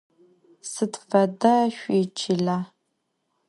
Sıd feda şsuiçıle?